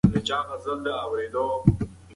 لمر د ژوند د بقا لپاره حیاتي دی.